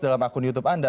dalam akun youtube anda